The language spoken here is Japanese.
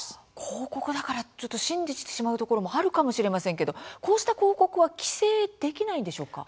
広告だからちょっと信じてしまうところもあるかもしれませんけどこうした広告は規制できないんでしょうか。